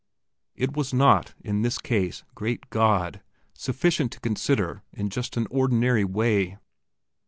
It was not, in this case, great God, sufficient to consider in just an ordinary way!